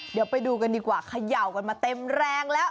เดี๋ยวไปดูกันดีกว่าเขย่ากันมาเต็มแรงแล้ว